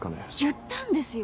言ったんですよ